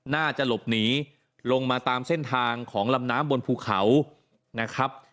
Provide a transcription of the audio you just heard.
น่าจะหลบหนีลงมาตามเส้นทางของลำน้ำบนภูเขานะครับ